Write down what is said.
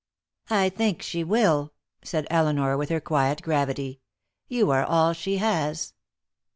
"I think she will," said Elinor, with her quiet gravity. "You are all she has."